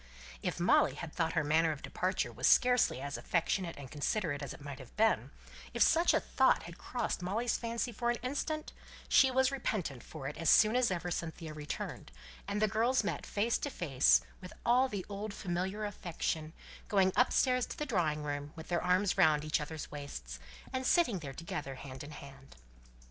If Molly had thought her manner of departure was scarcely as affectionate and considerate as it might have been, if such a thought had crossed Molly's fancy for an instant, she was repentant for it as soon as ever Cynthia returned, and the girls met together face to face, with all the old familiar affection, going upstairs to the drawing room, with their arms round each other's waists, and sitting there together hand in hand.